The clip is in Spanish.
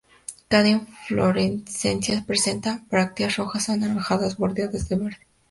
Cada inflorescencia presenta brácteas rojas o anaranjadas bordeadas de verde.